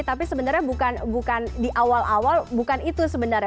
tapi sebenarnya bukan di awal awal bukan itu sebenarnya